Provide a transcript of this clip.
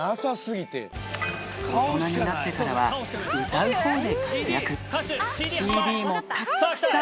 大人になってからは歌うほうで活躍。